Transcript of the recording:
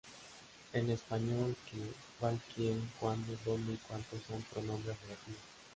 En español "que, cual, quien, cuando, donde y cuanto" son pronombres relativos.